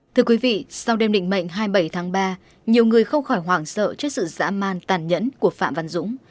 thưa quý vị sau đêm định mệnh hai mươi bảy tháng ba nhiều người không khỏi hoảng sợ trước sự dã man tàn nhẫn của phạm văn dũng